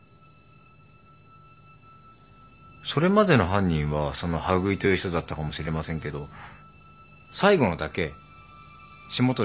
それまでの犯人はその羽喰という人だったかもしれませんけど最後のだけ霜鳥さんだった可能性は？